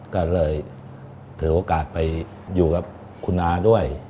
ก็เลยถือโอกาสไปอยู่กับคุณอาด้วย